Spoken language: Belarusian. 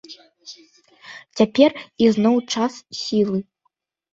Цяпер ізноў час сілы.